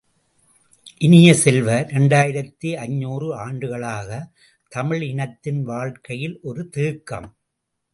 இனிய செல்வ, இரண்டாயிரத்து ஐந்நூறு ஆண்டுகளாகத் தமிழ் இனத்தின் வாழ்க்கையில் ஒரு தேக்கம்.